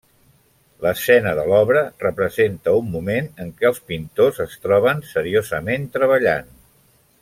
L'escena de l'obra representa un moment en què els pintors es troben seriosament treballant.